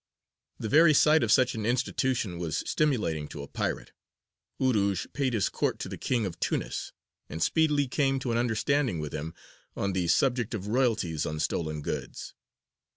The very sight of such an institution was stimulating to a pirate. Urūj paid his court to the King of Tunis, and speedily came to an understanding with him on the subject of royalties on stolen goods.